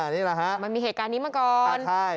นี่แหละฮะมันมีเหตุการณ์นี้มาก่อน